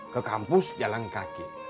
ke kampus jalan kaki